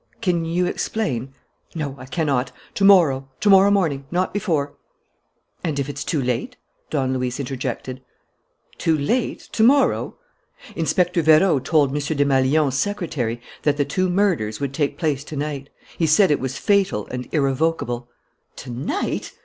"Can you explain ?" "No, I cannot ... To morrow, to morrow morning not before." "And if it's too late?" Don Luis interjected. "Too late? To morrow?" "Inspector Vérot told M. Desmalions's secretary that the two murders would take place to night. He said it was fatal and irrevocable." "To night?"